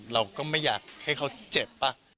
เราก็ไม่อยากให้เขาเจ็บป่ะ